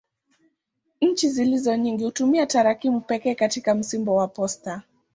Nchi zilizo nyingi hutumia tarakimu pekee katika msimbo wa posta.